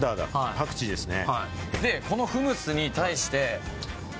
パクチーですね。